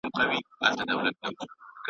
پکښي نه ورښکارېدله خپل عیبونه .